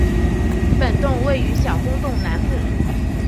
本洞位于小公洞南部。